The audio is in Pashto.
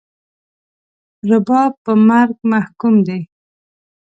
رباب په مرګ محکوم دی